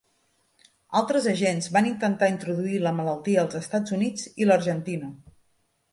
Altres agents van intentar introduir la malaltia als Estats Units i l'Argentina.